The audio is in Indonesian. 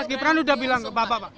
mas ibran sudah bilang ke bapak pak